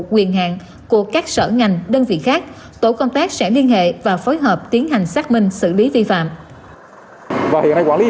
quyền hạn của các sở ngành đơn vị khác tổ công tác sẽ liên hệ và phối hợp tiến hành xác minh xử lý vi phạm